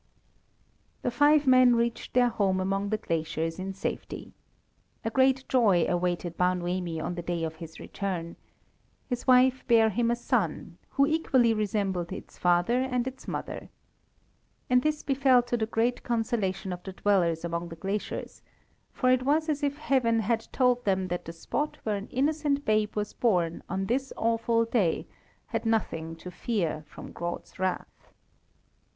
The five men reached their home among the glaciers in safety. A great joy awaited Bar Noemi on the day of his return. His wife bare him a son, who equally resembled its father and its mother. And this befell to the great consolation of the dwellers among the glaciers; for it was as if Heaven had told them that the spot where an innocent babe was born, on this awful day, had nothing to fear from God's wrath.